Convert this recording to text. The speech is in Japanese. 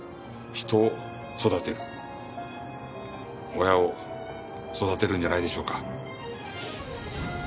親を育てるんじゃないでしょうか？